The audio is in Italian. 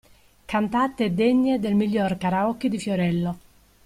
Cantate degne del miglior Karaoke di Fiorello.